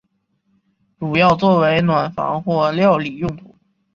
主要作为暖房或料理用途。